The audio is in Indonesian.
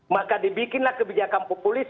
maka dibikinlah kebijakan populis